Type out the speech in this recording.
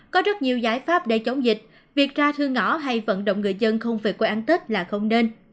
có rất nhiều giải pháp để chống dịch việc ra thư ngõ hay vận động người dân không về quê ăn tết là không nên